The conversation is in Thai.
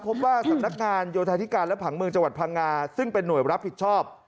พบว่าสำนักงานโยธาธิการและผังเมืองจังหวัดพังงาซึ่งเป็นหน่วยรับผิดชอบ